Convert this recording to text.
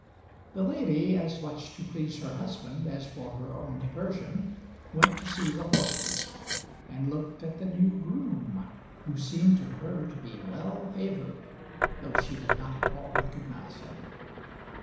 The lady, as much to please her husband as for her own diversion, went to see the horses, and looked at the new groom, who seemed to her to be well favoured, though she did not at all recognise him.